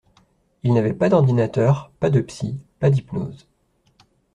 Ils avaient pas d’ordinateurs, pas de psy, pas d’hypnose.